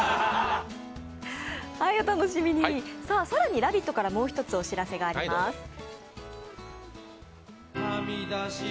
更に、「ラヴィット！」からもう一つお知らせがあります。